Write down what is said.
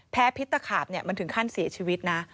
พิษตะขาบมันถึงขั้นเสียชีวิตนะ